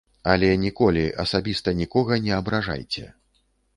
Але ніколі асабіста нікога не абражайце.